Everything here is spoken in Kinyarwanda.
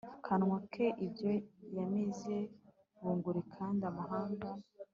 kanwa ke ibyo yamize bunguri kandi amahanga